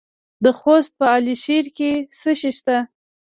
د خوست په علي شیر کې څه شی شته؟